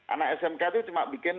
anak smk itu cuma bikin